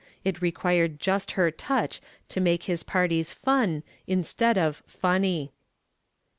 It required just her touch to make his parties fun instead of funny.